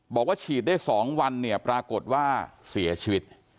บอกว่าฉีดได้๒วันเนี่ยปรากฏว่าเสียชีวิต